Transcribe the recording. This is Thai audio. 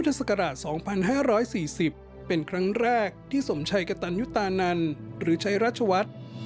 ศักราช๒๕๔๐เป็นครั้งแรกที่สมชัยกระตันยุตานันหรือชัยราชวัฒน์